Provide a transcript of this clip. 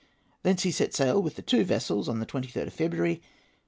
Thence he set sail, with the two vessels, on the 23rd of February.